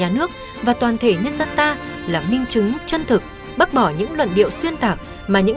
nhà nước và toàn thể nhân dân ta là minh chứng chân thực bác bỏ những luận điệu xuyên tạc mà những